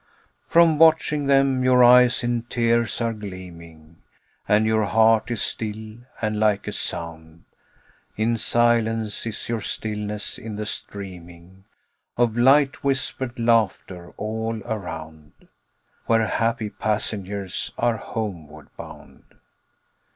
From watching them your eyes in tears are gleaming, And your heart is still; and like a sound In silence is your stillness in the streaming Of light whispered laughter all around, Where happy passengers are homeward bound.